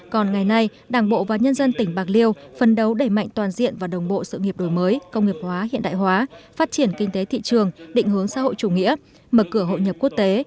còn ngày nay đảng bộ và nhân dân tỉnh bạc liêu phân đấu đẩy mạnh toàn diện và đồng bộ sự nghiệp đổi mới công nghiệp hóa hiện đại hóa phát triển kinh tế thị trường định hướng xã hội chủ nghĩa mở cửa hội nhập quốc tế